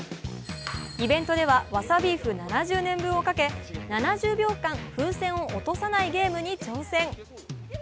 イベントではわさビーフ７０年分をかけ、７０秒間風船を落とさないゲームに挑戦。